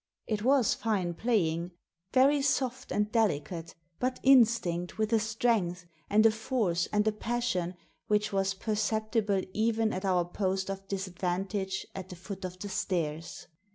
It was fine playing. Very soft and delicate, but instinct with a strength, and a force, and a passion, which was perceptible even at our post of dis advantage at the foot of the stairs.